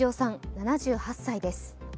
７８歳です。